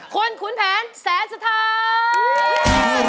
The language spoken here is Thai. คนขุนแผนแสนสะท้าย